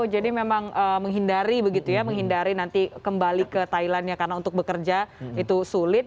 jadi memang menghindari begitu ya menghindari nanti kembali ke thailand ya karena untuk bekerja itu sulit